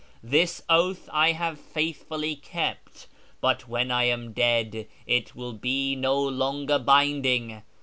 This oath I have faithfully kept ; but when I am dead it will be no longer binding.